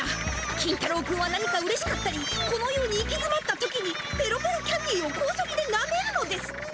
金太郎君は何かうれしかったりこのように行きづまった時にペロペロキャンディーを高速でなめるのです。